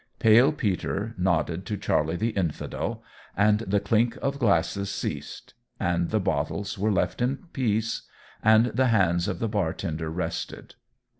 Pale Peter nodded to Charlie the Infidel; and the clink of glasses ceased and the bottles were left in peace and the hands of the bartender rested.